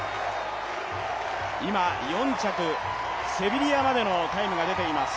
今、４着、セビリアまでのタイムが出ています。